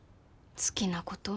好きなこと？